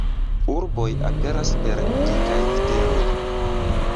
Urboj aperas per dikaj literoj.